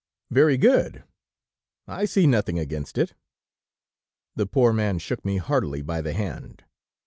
Very good. I see nothing against it.' "The poor man shook me heartily by the hand.